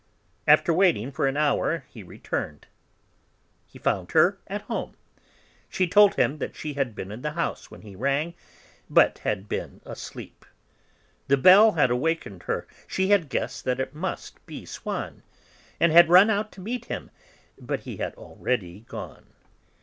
After waiting for an hour, he returned. He found her at home; she told him that she had been in the house when he rang, but had been asleep; the bell had awakened her; she had guessed that it must be Swann, and had run out to meet him, but he had already gone.